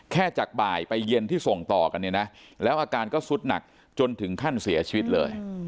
จากบ่ายไปเย็นที่ส่งต่อกันเนี่ยนะแล้วอาการก็สุดหนักจนถึงขั้นเสียชีวิตเลย